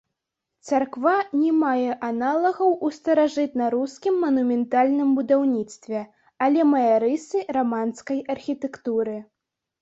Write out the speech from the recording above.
Царква не мае аналагаў у старажытна-рускім манументальным будаўніцтве, але мае рысы раманскай архітэктуры.